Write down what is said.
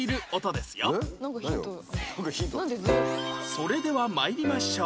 それでは参りましょう